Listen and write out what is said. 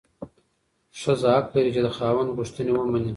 ښځه حق لري چې د خاوند غوښتنې ومني.